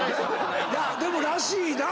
でもらしいな。